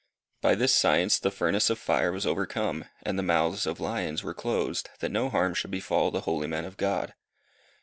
By this science the furnace of fire was overcome, and the months of lions were closed, that no harm should befall the holy men of God.